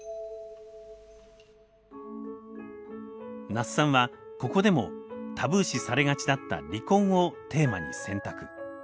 那須さんはここでもタブー視されがちだった「離婚」をテーマに選択。